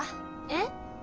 えっ？